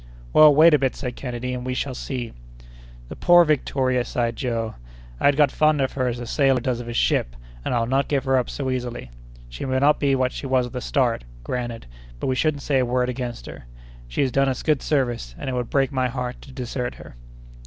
"Well, wait a bit," said Kennedy, "and we shall see!" "The poor Victoria!" sighed Joe; "I had got fond of her as the sailor does of his ship, and I'll not give her up so easily. She may not be what she was at the start—granted; but we shouldn't say a word against her. She has done us good service, and it would break my heart to desert her."